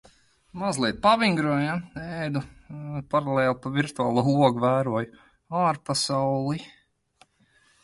Mazliet pavingroju. Ēdu un paralēli pa virtuālo logu vēroju ārpasauli.